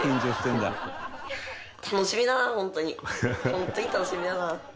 ホントに楽しみだな。